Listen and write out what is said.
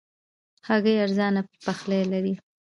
هګۍ ارزانه پخلی لري.